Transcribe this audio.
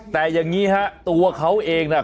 แต่อย่างนี้ฮะตัวเขาเองน่ะ